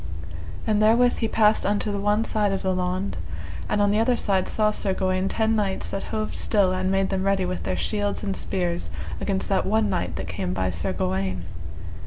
And therewith he passed unto the one side of the laund; and on the other side saw Sir Gawaine ten knights that hoved still and made them ready with their shields and spears against that one knight that came by Sir Gawaine.